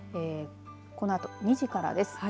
このあと２時からです。